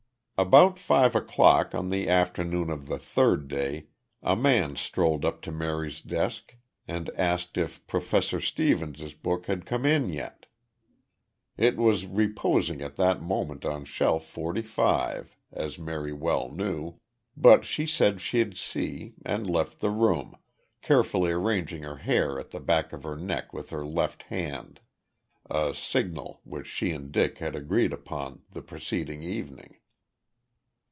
About five o'clock on the afternoon of the third day a man strolled up to Mary's desk and asked if Professor Stevens's book had come in yet. It was reposing at that moment on Shelf Forty five, as Mary well knew, but she said she'd see, and left the room, carefully arranging her hair at the back of her neck with her left hand a signal which she and Dick had agreed upon the preceding evening.